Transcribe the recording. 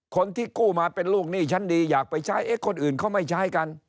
คนที่กู้มาเป็นลูกหนี้ชั้นดีอยากไปใช้เอ๊ะคนอื่นเขาไม่ใช้กัน